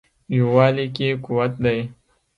یووالي کې قوت دی.